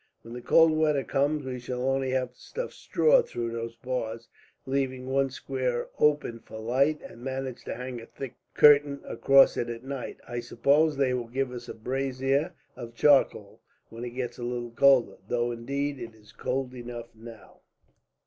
"When the cold weather comes, we shall only have to stuff straw through those bars, leaving one square open for light, and manage to hang a thick curtain across it at night. I suppose they will give us a brazier of charcoal, when it gets a little colder; though indeed, it is cold enough now."